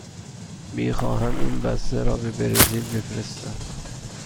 می خواهم این بسته را به برزیل بفرستم.